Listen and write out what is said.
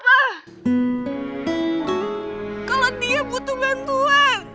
kalau dia butuh bantuan